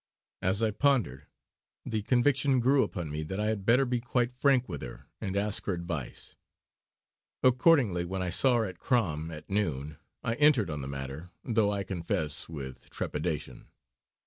As I pondered, the conviction grew upon me that I had better be quite frank with her and ask her advice. Accordingly when I saw her at Crom at noon I entered on the matter, though I confess with trepidation.